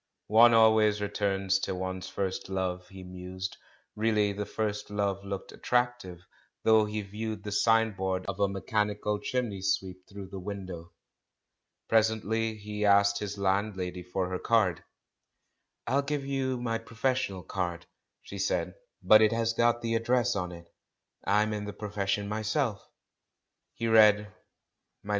"One always returns to one's first love," he mused ; and really the first love looked attractive, though he viewed the signboard of a "mechanical chimney sweep" through the window. Presently he asked his landlady for her card, "I'll have to give you my professional card," she said, "but it has got the address on it; I'm in the profession myself." He read, "Mdlle.